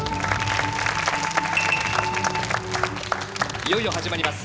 いよいよ始まります。